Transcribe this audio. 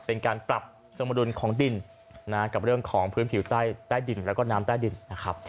เป็นการปรับสมดุลของดินกับเรื่องของพื้นผิวใต้ดินแล้วก็น้ำใต้ดินนะครับ